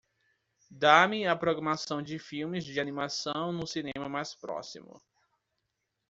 Dá-me a programação de filmes de animação no cinema mais próximo